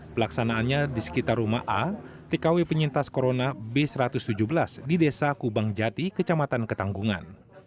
pelaksanaannya di sekitar rumah a tkw penyintas corona b satu ratus tujuh belas di desa kubang jati kecamatan ketanggungan